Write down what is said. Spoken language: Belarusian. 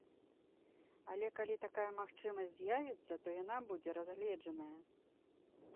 Але калі такая магчымасць з'явіцца, то яна будзе разгледжаная.